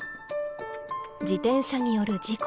自転車による事故。